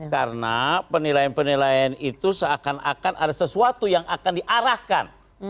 karena penilaian penilaian itu seakan akan ada sesuatu yang akan diarahkan